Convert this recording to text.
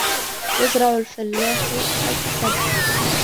يَزْرَعُ الْفَلاَحُ الْقَصَبَ.